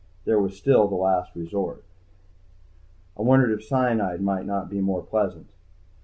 There was still the Last Resort. I wondered if cyanide might not be more pleasant.